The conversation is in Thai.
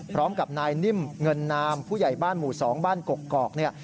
พร้อมกับนายนิ่มเงินนามผู้ใหญ่บ้านหมู่๒บ้านกกอกเนี่ย